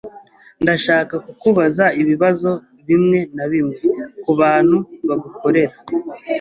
Ndashaka kukubaza ibibazo bimwe na bimwe kubantu bagukorera.